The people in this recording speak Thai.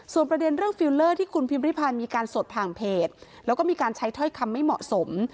ประเด็นเรื่องฟิลเลอร์ที่คุณพิมพิริพันธ์มีการสดผ่านเพจแล้วก็มีการใช้ถ้อยคำไม่เหมาะสม